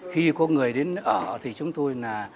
khi có người đến ở thì chúng tôi là